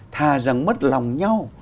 tha rằng mất lòng nhau